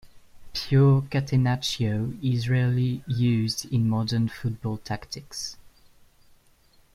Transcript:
Pure "Catenaccio" is rarely used in modern football tactics.